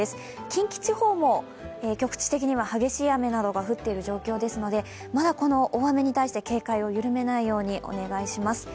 近畿地方も局地的には激しい雨などが降っている状況ですのでまだこの大雨に対して警戒を緩めないようにお願いします。